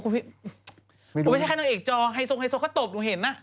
พี่ไม่ใช่แค่นางเอกจอไฮทรงก็ตบหนูเห็นนะ